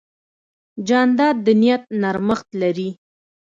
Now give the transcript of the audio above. جانداد د نیت نرمښت لري.